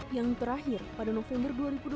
yang terakhir pada november dua ribu dua puluh